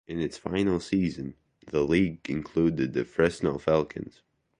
In its final season, the league included the Fresno Falcons.